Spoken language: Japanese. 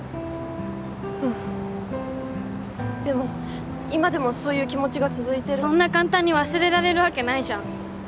うんでも今でもそういう気持ちが続いてるそんな簡単に忘れられるわけないじゃん